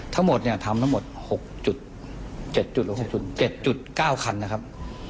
ทั้งหมดทำ๖๗๙คันนะครับ